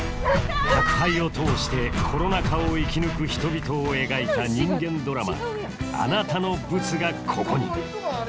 宅配を通してコロナ禍を生き抜く人々を描いた人間ドラマ「あなたのブツが、ここに」